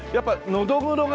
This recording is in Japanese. ノドグロが。